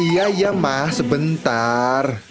iya iya ma sebentar